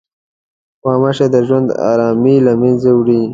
غوماشې د ژوند ارامي له منځه وړي.